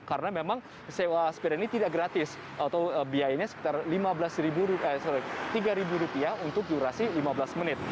karena memang sewa sepeda ini tidak gratis atau biayanya sekitar rp tiga untuk durasi lima belas menit